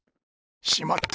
しまった！